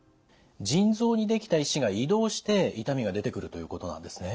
腎臓にできた石が移動して痛みが出てくるということなんですね。